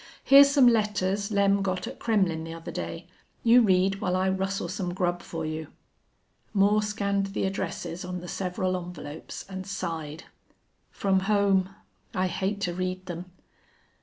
Here's some letters Lem got at Kremmlin' the other day. You read while I rustle some grub for you." Moore scanned the addresses on the several envelopes and sighed. "From home! I hate to read them."